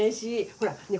ほらねえ